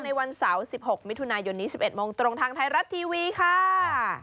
ในวันเสาร์๑๖มิถุนายนนี้๑๑โมงตรงทางไทยรัฐทีวีค่ะ